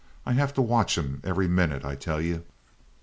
I have to watch 'em every minute, I tell you!"